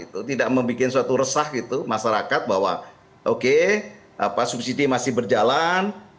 tidak membuat suatu resah gitu masyarakat bahwa oke subsidi masih berjalan